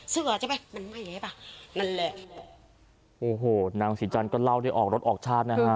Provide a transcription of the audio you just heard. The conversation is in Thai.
ซึ่งเหรอใช่ไหมมันไหม้ป่ะนั่นแหละโอ้โหนางศรีจันทร์ก็เล่าได้ออกรถออกชาตินะฮะ